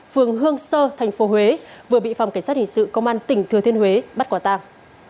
phường hương sơ tp huế vừa bị phòng cảnh sát hình sự công an tỉnh thừa thiên huế bắt quả tàng